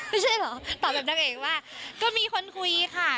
ไม่ใช่เหรอตอบแบบนางเอกว่าก็มีคนคุยค่ะ